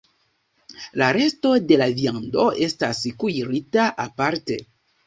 La resto de la viando estas kuirita aparte.